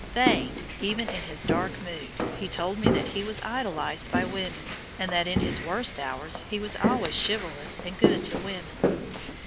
Vain, even in his dark mood, he told me that he was idolized by women, and that in his worst hours he was always chivalrous to good women.